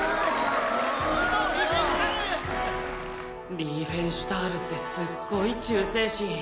リーフェンシュタールってすっごい忠誠心。